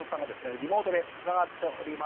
リモートでつながっております。